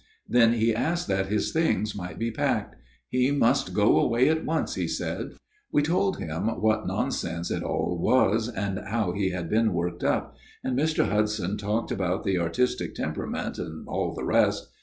Then he asked that his things might be packed. He must go away at once, he said. " We told him what nonsense it all was, and how he had been worked up ; and Mr. Hudson talked about the artistic temperament and all the rest.